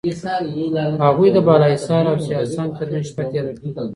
هغوی د بالاحصار او سیاه سنگ ترمنځ شپه تېره کړه.